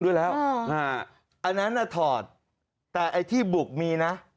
ด้วยแล้วอันนั้นน่ะถอดแต่ไอ้ที่บุกมีนะ